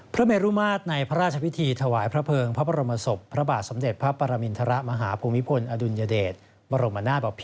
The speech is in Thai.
พระเมรุมาตรในพระราชวิติถวายพระเพิงพระประรมทสพ